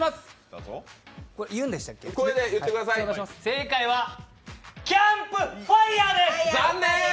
正解はキャンプファイヤーです！